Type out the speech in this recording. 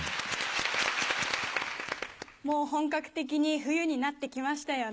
もう本格的に冬になって来ましたよね。